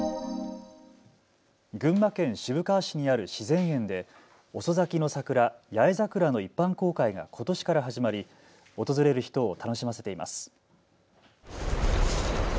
群馬県渋川市にある自然園で遅咲きの桜、八重桜の一般公開がことしから始まり訪れる人を楽しませています。